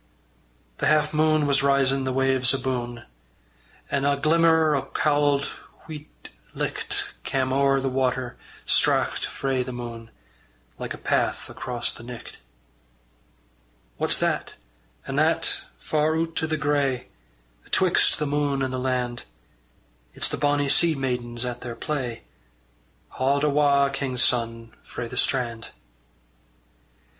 The half mune was risin' the waves abune, An' a glimmer o' cauld weet licht Cam' ower the water straucht frae the mune, Like a path across the nicht. What's that, an' that, far oot i' the grey Atwixt the mune and the land? It's the bonny sea maidens at their play Haud awa', king's son, frae the strand.